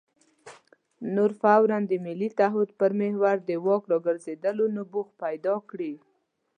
نو فوراً د ملي تعهد پر محور د واک راګرځېدلو نبوغ پیدا کړي.